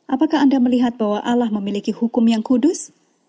apakah anda melihat bahwa allah memiliki hukum yang kudus